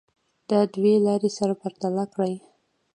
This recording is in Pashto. دا دوې تګ لارې سره پرتله کړئ.